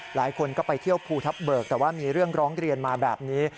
หลายคนก็ไปเที่ยวภูทับเบิกแต่ว่ามีเรื่องร้องเรียนมาแบบนี้